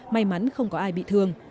may mắn không có ai bị thương